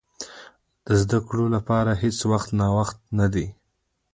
د زده کړې لپاره هېڅ وخت ناوخته نه دی.